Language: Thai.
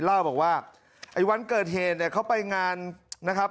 เล่าบอกว่าไอ้วันเกิดเหตุเนี่ยเขาไปงานนะครับ